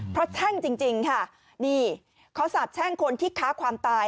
เพราะแช่งจริงค่ะนี่เขาสาบแช่งคนที่ค้าความตาย